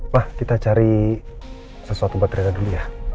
nah kita cari sesuatu baterainya dulu ya